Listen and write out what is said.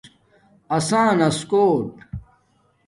اسݳنس کوٹ